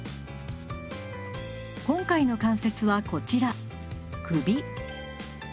今回の関節はこちら首。